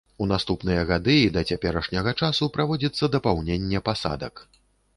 У наступныя гады і да цяперашняга часу праводзіцца дапаўненне пасадак.